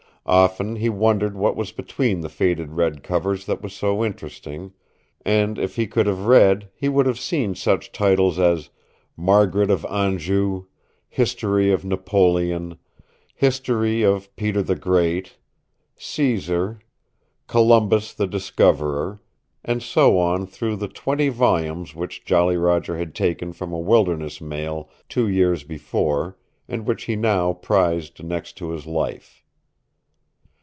Often he wondered what was between the faded red covers that was so interesting, and if he could have read he would have seen such titles as "Margaret of Anjou," "History of Napoleon," "History of Peter the Great," "Caesar," "Columbus the Discoverer," and so on through the twenty volumes which Jolly Roger had taken from a wilderness mail two years before, and which he now prized next to his life.